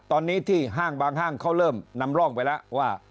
ตอนนี้ที่ห้างบางห้างเขาเริ่มนำร่องไปแล้วว่า